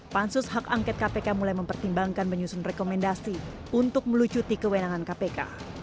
pansus hak angket kpk mulai mempertimbangkan menyusun rekomendasi untuk melucuti kewenangan kpk